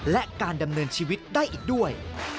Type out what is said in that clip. และการดำเนินชีวิตได้อีกด้วย